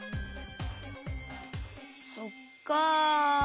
そっか。